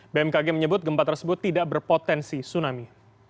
bmkg menyebut gempa tersebut tidak berpotensi tsunami